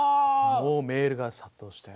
もうメールが殺到して。